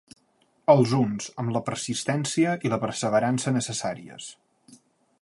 Els uns, amb la persistència i perseverança necessàries.